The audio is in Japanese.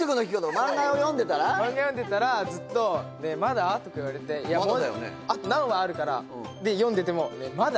漫画読んでたらずっと「ねえまだ？」とか言われて「いやあと何話あるから」で読んでても「ねえまだ？」